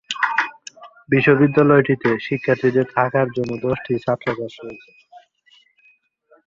বিশ্ববিদ্যালয়টিতে শিক্ষার্থীদের থাকার জন্য দশটি ছাত্রাবাস রয়েছে।